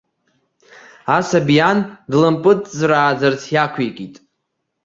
Асаби иан длымпыҵҵәрааӡарц иақәикит.